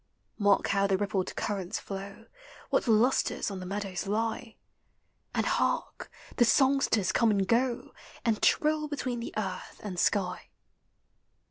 93 Mark how the rippled currents flow ; What lustres on the meadows lie! And hark! the songsters conic and go, And trill between the earth and sky.